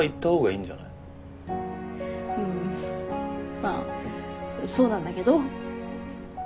まあそうなんだけど。